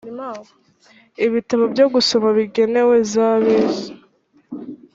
ibitabo byo gusoma bigenewe za bisi